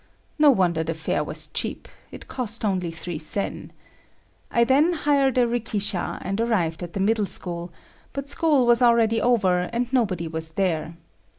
No wonder the fare was cheap; it cost only three sen. I then hired a rikisha and arrived at the middle school, but school was already over and nobody was there.